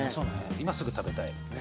今すぐ食べたい。